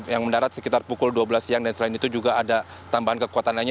yang mendarat sekitar pukul dua belas siang dan selain itu juga ada tambahan kekuatan lainnya